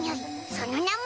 その名も！